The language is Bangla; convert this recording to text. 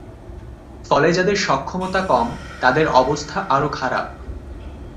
ফলে যাদের সক্ষমতা কম, তাদের অবস্থা আরও খারাপ।